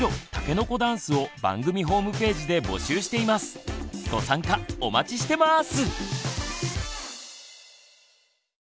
番組ではご参加お待ちしてます！